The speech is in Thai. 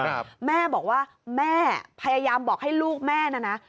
แม่บอกว่าแม่พยายามบอกให้ลูกแม่น่ะนะ